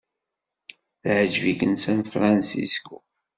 Teɛjeb-iken San Francisco?